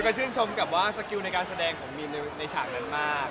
ก็ชื่นชมกับว่าสกิลในการแสดงของมีนในฉากนั้นมาก